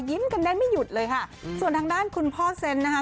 กันได้ไม่หยุดเลยค่ะส่วนทางด้านคุณพ่อเซนต์นะคะ